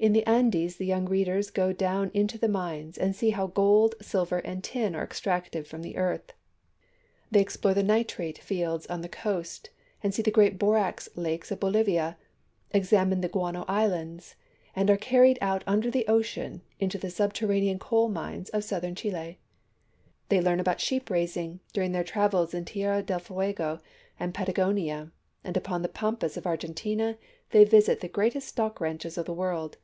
In the Andes the young readers go down into the mines and see how gold, silver, and tin are extracted from the earth. They explore the nitrate fields on the coast, see the great borax lakes of Bolivia, exam ine the guano islands, and are carried out under the ocean into the subterranean coal mines of southern Chile. They learn about sheep raising during their travels in Tierra del Fuego and Patagonia, and upon the pampas of Argentina they visit the greatest stock ranches of the world.